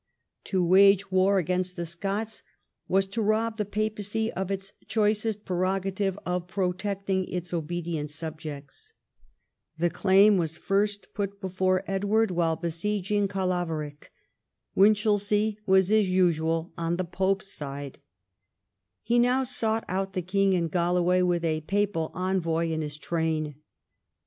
To wage war against the Scots was to rob the papacy of its choicest prerogative of protecting its obedient subjects. The claim was first xii THE CONQUEST OF SCOTLAND 213 put before Edward while on his Scots campaign. Win chelsea was, as usual, on the pope's side. He now sought out the king in Galloway with a papal envoy in his train.